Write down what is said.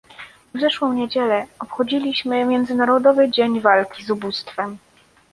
W zeszłą niedzielę obchodziliśmy Międzynarodowy Dzień Walki z Ubóstwem